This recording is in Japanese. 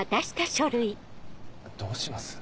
どうします？